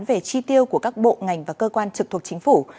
về chi tiêu của các bộ ngành và cơ quan trực thuộc chính phủ